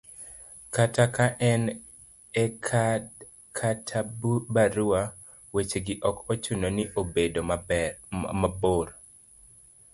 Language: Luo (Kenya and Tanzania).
kata ka en e kad kata barua, weche gi ok ochuno ni bedo mabor